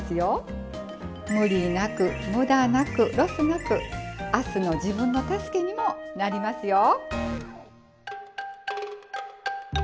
無理なく無駄なくロスなく明日の自分の助けにもなりますよ。